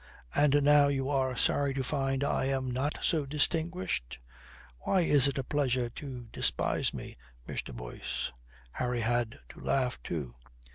"And now you are sorry to find I am not so distinguished. Why is it a pleasure to despise me, Mr. Boyce?" Harry had to laugh too.